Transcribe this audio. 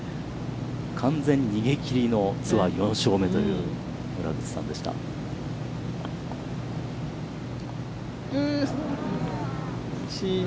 完全逃げ切りのツアー４勝目という村口さんでした。